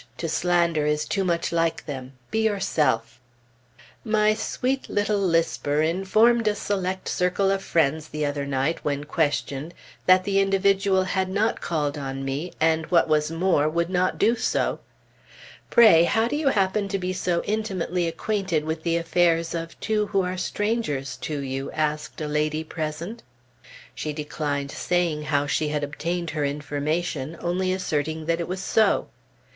to slander is too much like them; be yourself. My sweet little lisper informed a select circle of friends the other night, when questioned, that the individual had not called on me, and, what was more, would not do so. "Pray, how do you happen to be so intimately acquainted with the affairs of two who are strangers to you?" asked a lady present. She declined saying how she had obtained her information, only asserting that it was so.